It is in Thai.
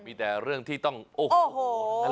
มีแต่เรื่องที่ต้องโอ้โห